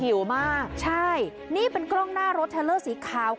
เพียงถิวมากใช่นี่เป็นกล้องหน้ารถเทลเลอร์สีขาวครับ